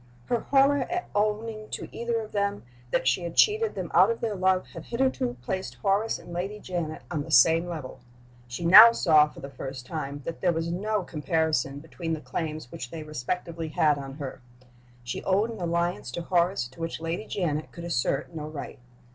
Her horror at owning to either of them that she had cheated them out of their love had hitherto placed Horace and Lady Janet on the same level. She now saw for the first time that there was no comparison between the claims which they respectively had on her. She owned an allegiance to Horace to which Lady Janet could assert no right.